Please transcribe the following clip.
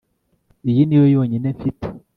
Iyi niyo yonyine mfite